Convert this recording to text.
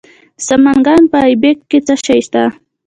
د سمنګان په ایبک کې څه شی شته؟